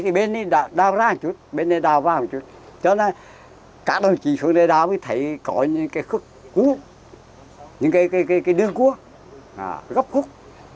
thì bên này đau ra một chút bên này đau vào một chút cho nên các đồng chí xuống đây đau mới thấy có những cái khúc hút những cái đường hút gốc hút